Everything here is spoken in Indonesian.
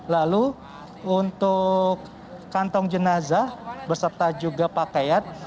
lalu untuk kantong jenazah beserta juga pakaian